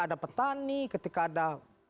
ada petani ketika ada